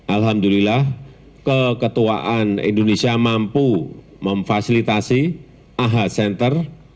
alhamdulillah keketuaan indonesia mampu memfasilitasi aha center